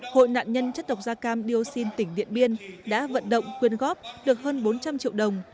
hội nạn nhân chất độc da cam dioxin tỉnh điện biên đã vận động quyên góp được hơn bốn trăm linh triệu đồng